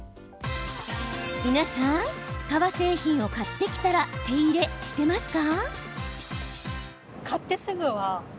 皆さん、革製品を買ってきたら手入れしてますか？